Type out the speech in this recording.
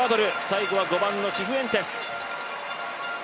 最後は５番のシフエンテス。